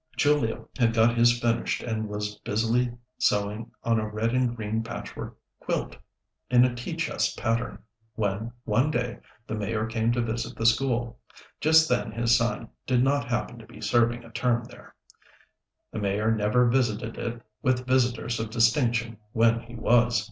Julia had got his finished and was busily sewing on a red and green patchwork quilt, in a tea chest pattern, when, one day, the Mayor came to visit the school. Just then his son did not happen to be serving a term there; the Mayor never visited it with visitors of distinction when he was.